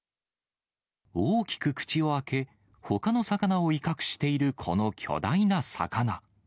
大きく口を開け、ほかの魚を威嚇しているこの巨大な魚。